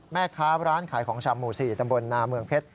แม่ค้าร้านขายของชำหมู่๔ตำบลนาเมืองเพชร